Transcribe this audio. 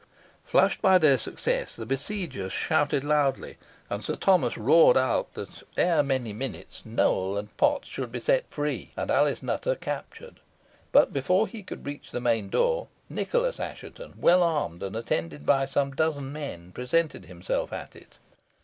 Flushed by their success, the besiegers shouted loudly, and Sir Thomas roared out, that ere many minutes Nowell and Potts should be set free, and Alice Nutter captured. But before he could reach the main door, Nicholas Assheton, well armed, and attended by some dozen men, presented himself at it.